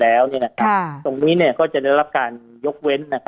ตรงนี้ก็จะได้รับการยกเว้น